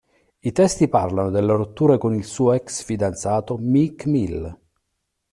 I testi parlano della rottura con il suo ex fidanzato Meek Mill.